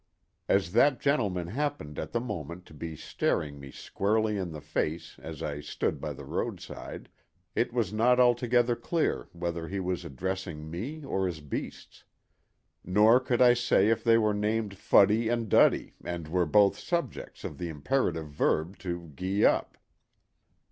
As that gentleman happened at the moment to be staring me squarely in the face as I stood by the roadside it was not altogether clear whether he was addressing me or his beasts; nor could I say if they were named Fuddy and Duddy and were both subjects of the imperative verb "to gee up."